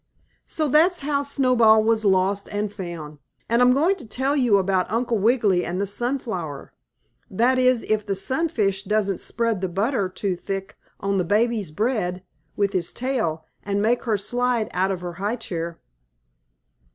So that's how Snowball was lost and found, and I'm going to tell you about Uncle Wiggily and the sunflower, that is if the sunfish doesn't spread the butter too thick on the baby's bread with his tail and make her slide out of her high chair.